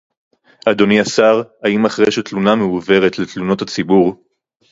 אדוני השר: האם אחרי שתלונה מועברת לתלונות הציבור